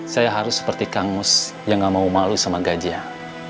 saya harus seperti kang mus yang nggak mau malu sama gajah